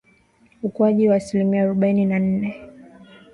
Ukuaji wa asilimia arubaini na nne